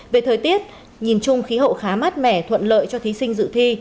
về thời tiết nhìn chung khí hậu khá mát mẻ thuận lợi cho thí sinh dự thi